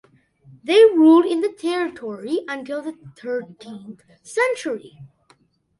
They ruled in the territory until the thirteenth century.